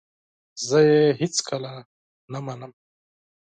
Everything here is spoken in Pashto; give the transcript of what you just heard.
زه یې هیڅکله نه منم !